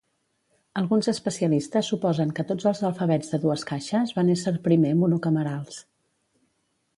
Alguns especialistes suposen que tots els alfabets de dues caixes van ésser primer monocamerals.